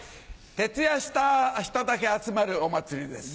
徹夜した人だけ集まるお祭りです。